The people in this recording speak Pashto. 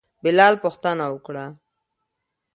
بلال پوښتنه وکړه.